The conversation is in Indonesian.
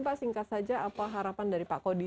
pak singkat saja apa harapan dari pak kodi